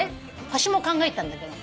星も考えたんだけど。